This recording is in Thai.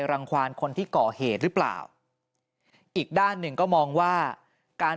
หลังจากพบศพผู้หญิงปริศนาตายตรงนี้ครับ